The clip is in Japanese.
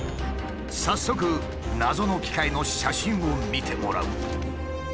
早速謎の機械の写真を見てもらう。